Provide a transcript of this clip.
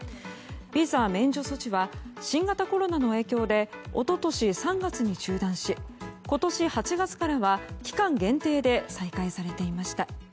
ビザ免除措置は新型コロナの影響で一昨年３月に中断し今年８月からは期間限定で再開されていました。